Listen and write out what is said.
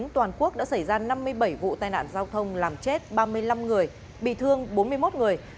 toàn quốc đã xảy ra năm mươi bảy vụ tai nạn giao thông làm chết ba mươi năm người bị thương bốn mươi một người